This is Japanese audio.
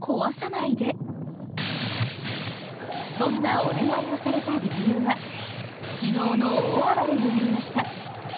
そんなお願いをされた理由は昨日の大暴れにありました。